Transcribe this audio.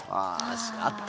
あった。